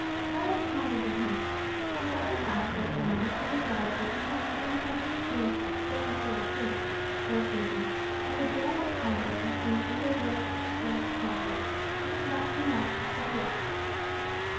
Carlos pondered the hint; and shortly afterwards announced to his relatives that he intended to "go into retreat" for a season, at the Jeromite Convent of San Isodro del Campo, which was about two miles from Seville.